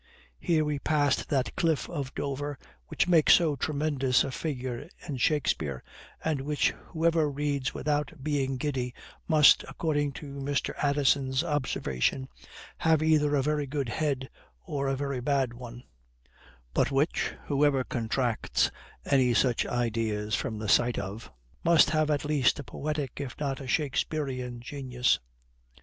Here we passed that cliff of Dover which makes so tremendous a figure in Shakespeare, and which whoever reads without being giddy, must, according to Mr. Addison's observation, have either a very good head or a very bad, one; but which, whoever contracts any such ideas from the sight of, must have at least a poetic if not a Shakesperian genius.